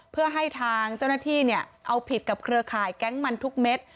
เพื่อให้ทางเจ้าหน้าที่เอาผิดกับเครือข่ายแก๊งมันทุกเม็ด